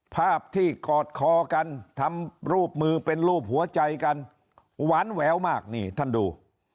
ภาพที่กอดคอกันทำรูปมือเป็นรูปหัวใจกันหวานแหววมากนี่ท่านดู